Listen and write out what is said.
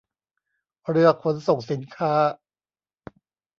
เรือขนส่งสินค้า